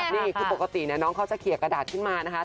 นี่คือปกติน้องเขาจะเขียกระดาษขึ้นมานะคะ